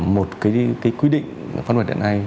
một cái quy định phát luật hiện hành